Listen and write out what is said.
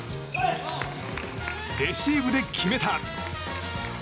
レシーブで決めた！